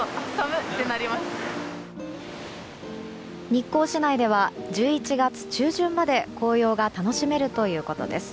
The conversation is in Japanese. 日光市内では１１月中旬まで紅葉が楽しめるということです。